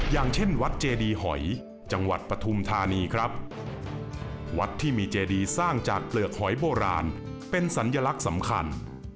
อย่างเช่นวัดเจดีหอย